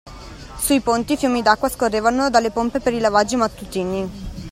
Sui ponti, fiumi d’acqua scorrevano dalle pompe per i lavaggi mattutini.